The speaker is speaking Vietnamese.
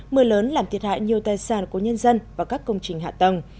mưa lớn làm thiệt hại nhiều tài sản của nhân dân và các công trình hạ tầng